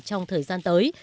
trong thời gian tới